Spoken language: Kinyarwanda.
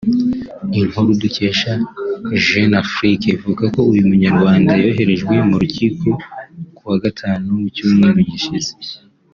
Inkuru dukesha Jeune Afrique ivuga ko uyu munyarwanda yoherejwe mu rukiko ku wa gatanu w’icyumweru gishize